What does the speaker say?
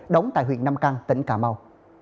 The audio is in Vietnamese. đóng tại huyện nam căng tỉnh cà mau